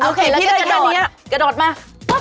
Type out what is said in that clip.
โอเคแล้วก็กระโดดมา